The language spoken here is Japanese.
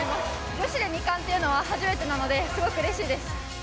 女子で２冠っていうのは初めてなので、すごくうれしいです。